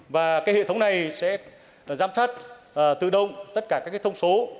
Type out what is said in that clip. và cái hệ thống này sẽ giám sát tự động tất cả các thông số